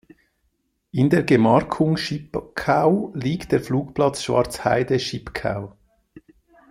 In der Gemarkung Schipkau liegt der Flugplatz Schwarzheide-Schipkau.